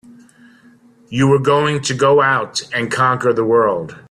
You were going to go out and conquer the world!